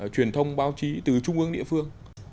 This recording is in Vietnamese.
truyền thông báo chí từ trung ương địa phương